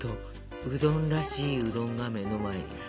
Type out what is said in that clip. うどんらしいうどんが目の前に。